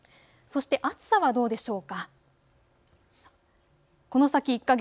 そして暑さはどうでしょうか。